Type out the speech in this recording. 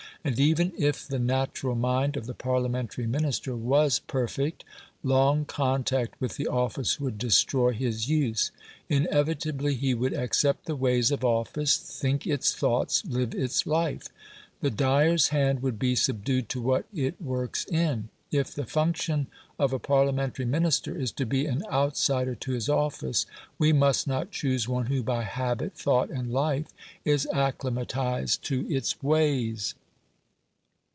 And even if the natural mind of the Parliamentary Minister was perfect, long contact with the office would destroy his use. Inevitably he would accept the ways of office, think its thoughts, live its life. The "dyer's hand would be subdued to what it works in". If the function of a Parliamentary Minister is to be an outsider to his office, we must not choose one who, by habit, thought, and life, is acclimatised to its ways.